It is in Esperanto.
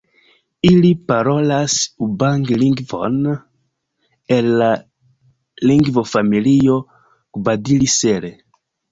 Ili parolas ubangi-lingvon el la lingvofamilio Gbadili-Sere.